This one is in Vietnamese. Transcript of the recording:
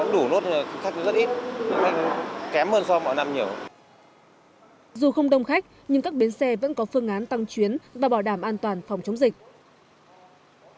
dù không đông khách nhưng các bến xe vẫn có phương án tăng chuyến và bảo đảm an toàn phòng chống dịch